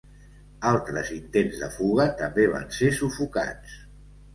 Altres intents de fuga també van ser sufocats.